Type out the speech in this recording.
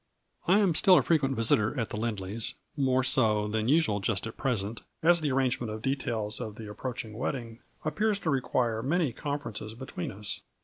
I am still a frequent visitor at the Lindley's, more so than usual just at present, as the ar rangement of details of the approaching wed ding appears to require many conferences be tween us.